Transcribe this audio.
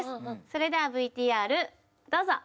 それではＶＴＲどうぞ！